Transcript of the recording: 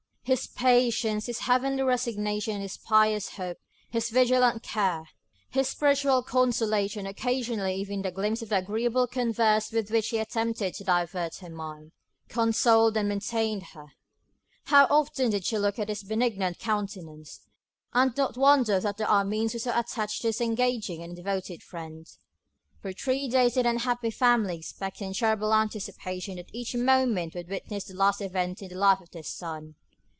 His patience, his heavenly resignation, his pious hope, his vigilant care, his spiritual consolation, occasionally even the gleams of agreeable converse with which he attempted to divert her mind, consoled and maintained her. How often did she look at his benignant countenance, and not wonder that the Armines were so attached to this engaging and devoted friend? For three days did the unhappy family expect in terrible anticipation that each moment would witness the last event in the life of their son.